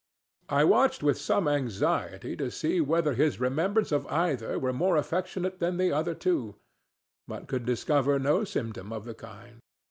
I watched with some anxiety to see whether his remembrance of either were more affectionate than of the other two, but could discover no symptom of the kind.